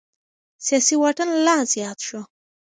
سياسي واټن لا زيات شو.